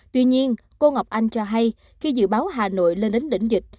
tuy nhiên cô ngọc anh cho hay khi dự báo hà nội lên đến đỉnh dịch